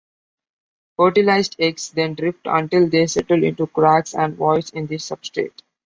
Fertilized eggs then drift until they settle into cracks and voids in the substrate.